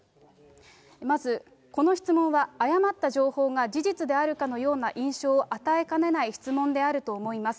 まずこの質問は、誤った情報が事実であるかのような印象を与えかねない質問であると思います。